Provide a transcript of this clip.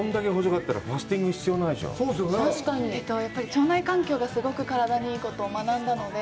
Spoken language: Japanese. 腸内環境がすごく体にいいことを学んだので。